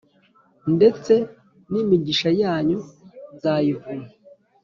ndetse n’imigisha yanyu nzayivuma